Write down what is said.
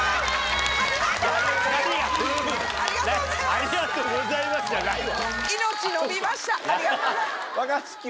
「ありがとうございます」じゃないわ。